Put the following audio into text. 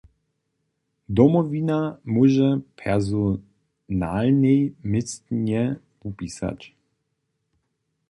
Domowina móže personalnej městnje wupisać.